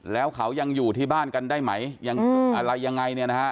แล้วเขายังอยู่ที่บ้านกันได้ไหมยังอะไรยังไงเนี่ยนะฮะ